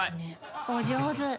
お上手。